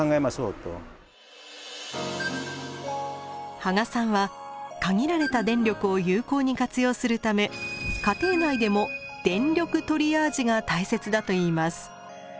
芳賀さんは限られた電力を有効に活用するため家庭内でも「電力トリアージ」が大切だといいます。